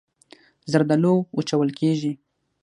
زردالو وچول کېږي.